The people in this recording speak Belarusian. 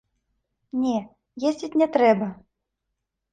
Не, ездзіць не трэба.